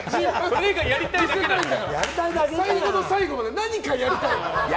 最後の最後まで何かやりたい。